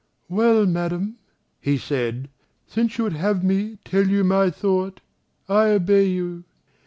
"Well, Madam," he said, "since you would have me tell you my thought, I obey you.